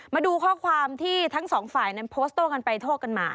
มาดูข้อความที่ทั้งสองฝ่ายนั้นโพสต์โต้กันไปโต้กันมา